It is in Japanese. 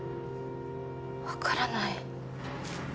わからない。